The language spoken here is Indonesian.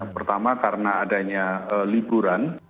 pertama karena adanya liburan